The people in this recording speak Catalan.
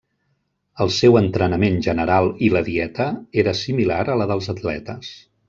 El seu entrenament general i la dieta era similar a la dels atletes.